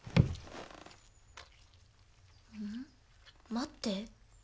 待って。